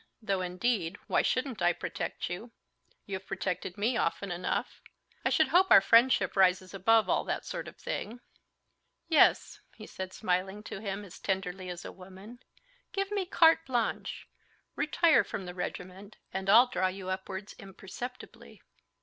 though, indeed, why shouldn't I protect you?—you've protected me often enough! I should hope our friendship rises above all that sort of thing. Yes," he said, smiling to him as tenderly as a woman, "give me carte blanche, retire from the regiment, and I'll draw you upwards imperceptibly."